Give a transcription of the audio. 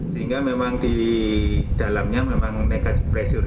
sehingga memang di dalamnya memang negatif pressure